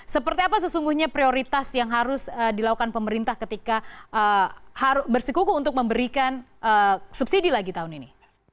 seperti apa sesungguhnya prioritas yang harus dilakukan pemerintah ketika bersikuku untuk memberikan subsidi lagi tahun ini